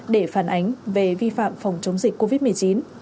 để phản ánh về vi phạm phòng chống dịch covid một mươi chín